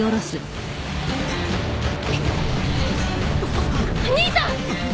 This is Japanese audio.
あっ兄さん！